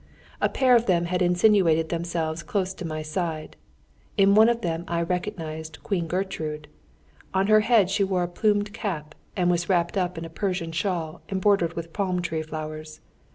A pair of them had insinuated themselves close to my side. In one of them I recognised "Queen Gertrude." On her head she wore a plumed cap, and was wrapped up in a Persian shawl embroidered with palm tree flowers.